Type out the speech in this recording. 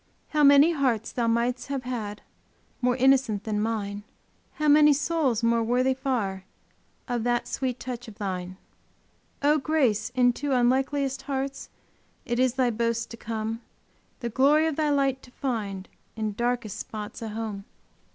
How many hearts thou mightst have had More innocent than mine! How many souls more worthy far Of that sweet touch of Thine? Oh grace! into unlikeliest hearts It is thy boast to come The glory of Thy light to find In darkest spots a home.